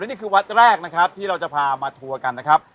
แล้วนี้คือวัดแรกที่เราจะพามาทัวร์กันนะครับ